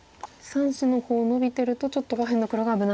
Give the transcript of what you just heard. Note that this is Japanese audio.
３子の方ノビてるとちょっと下辺の黒が危ない。